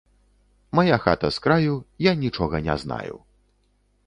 Мая хата з краю, я нічога не знаю!